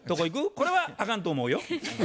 これはあかんと思うよ。